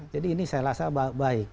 jadi ini saya rasa baik